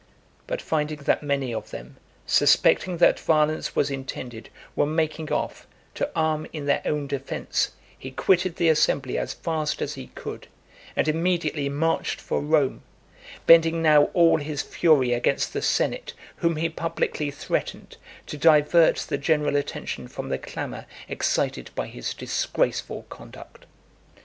But finding that many of them, suspecting that violence was intended, were making off, to arm in their own defence, he quitted the assembly as fast as he could, and immediately marched for Rome; bending now all his fury against the senate, whom he publicly threatened, to divert the general attention from the clamour excited by his disgraceful conduct.